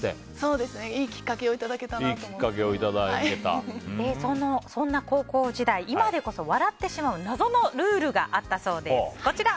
いいきっかけをそんな高校時代、今でこそ笑ってしまう謎のルールがあったそうです。